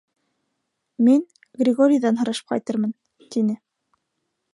Мин, Григорийҙан һорашып ҡайтырмын, — тине.